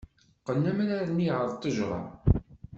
Qqen amrar-nni ɣer ttejra.